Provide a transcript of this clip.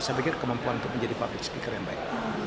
saya pikir kemampuan untuk menjadi public speaker yang baik